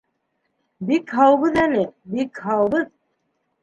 — Бик һаубыҙ әле, бик һаубыҙ.